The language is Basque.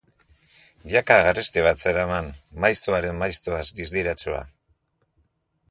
Jaka garesti bat zeraman, maiztuaren maiztuaz distiratsua.